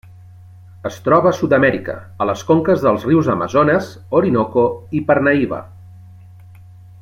Es troba a Sud-amèrica, a les conques dels rius Amazones, Orinoco i Parnaíba.